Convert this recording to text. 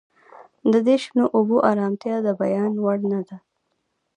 د دې شنو اوبو ارامتیا د بیان وړ نه ده